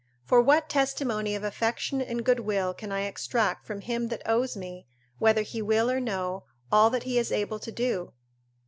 For what testimony of affection and goodwill can I extract from him that owes me, whether he will or no, all that he is able to do?